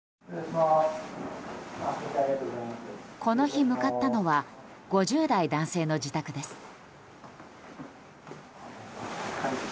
この日、向かったのは５０代男性の自宅です。